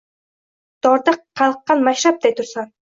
Dorda qalqqan Mashrabday hursan.